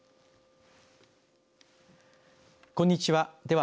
こんにちは。